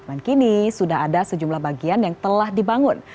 dan kini sudah ada sejumlah bagian yang telah dibangun